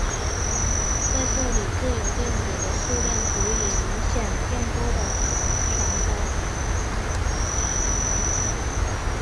在这里自由电子的数量足以影响电波的传播。